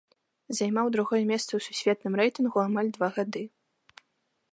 Займаў другое месца ў сусветным рэйтынгу амаль два гады.